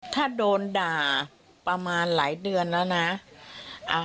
ถ้าโดนด่าประมาณหลายเดือนแล้วนะ